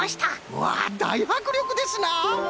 うわだいはくりょくですな！